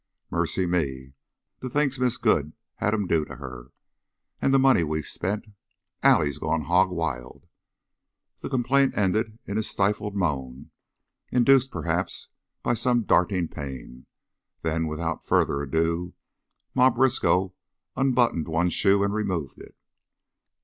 Mercy me! The things Miss Good had 'em do to her! An' the money we've spent! Allie's gone hog wild." The complaint ended in a stifled moan induced perhaps by some darting pain, then without further ado Ma Briskow unbuttoned one shoe and removed it.